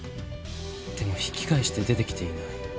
でも引き返して出てきていない。